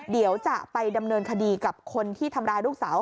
เดี๋ยวจะไปดำเนินคดีกับคนที่ทำร้ายลูกสาว